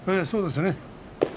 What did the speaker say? そうですね。